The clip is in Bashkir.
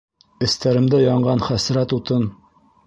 Эстәремдә янған хәсрәт утын